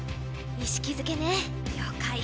意識づけね了解。